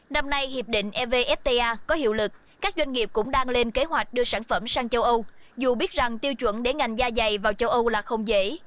năm nay hiệp định evfta có hiệu lực các doanh nghiệp cũng đang lên kế hoạch đưa sản phẩm sang châu âu dù biết rằng tiêu chuẩn để ngành da dày vào châu âu là không dễ